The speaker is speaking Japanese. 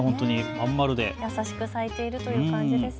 真ん丸で、優しく咲いているという感じです。